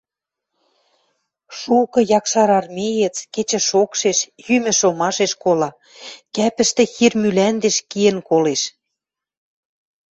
Шукы якшарармеец кечӹ шокшеш, йӱмӹ шомашеш кола, кӓпӹштӹ хир мӱлӓндеш киэн колеш.